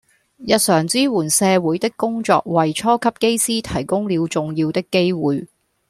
日常支援政府的工作為初級機師提供了重要的機會